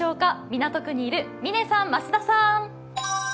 港区にいる嶺さん、増田さん。